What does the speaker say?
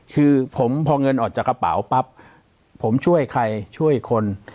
คือผมพอเงินออกจากกระเป๋าปั๊บผมช่วยใครช่วยคน